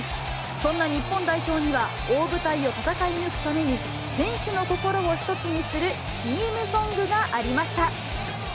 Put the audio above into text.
そんな日本代表には、大舞台を戦い抜くために、選手の心を一つにするチームソングがありました。